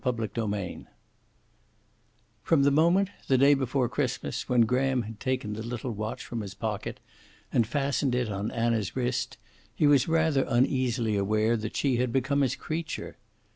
CHAPTER XXI From the moment, the day before Christmas, when Graham had taken the little watch from his pocket and fastened it on Anna's wrist, he was rather uneasily aware that she had become his creature.